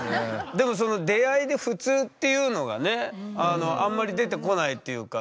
でもその出会いで「普通」っていうのがねあんまり出てこないっていうか。